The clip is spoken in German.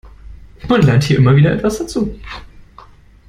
Man lernt hier immer wieder etwas dazu.